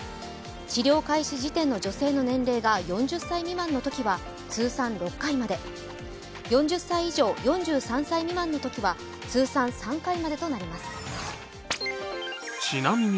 治療開始時点の女性の年齢が４０歳未満のときは通算６回まで４０歳以上４３歳未満のときは通算３回までとなります。